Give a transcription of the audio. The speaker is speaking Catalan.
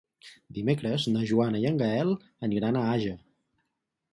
Dimecres na Joana i en Gaël aniran a Àger.